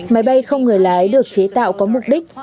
máy bay không người lái được chế tạo có mục đích